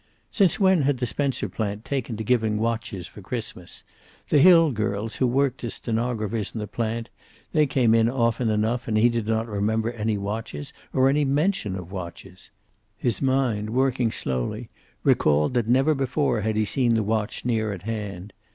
Since when had the Spencer plant taken to giving watches for Christmas? The hill girls who worked as stenographers in the plant; they came in often enough and he did not remember any watches, or any mention of watches. His mind, working slowly, recalled that never before had he seen the watch near at hand.